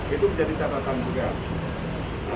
itu menjadi catatan juga